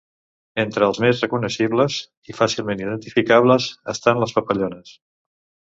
Entre els més recognoscibles i fàcilment identificables, estan les papallones.